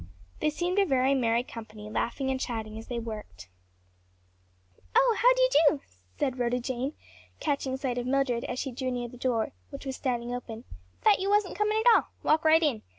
They seemed a very merry company, laughing and chatting as they worked. "Oh, how d'ye do?" said Rhoda Jane, catching sight of Mildred as she drew near the door, which was standing open; "thought you wasn't comin' at all. Walk right in.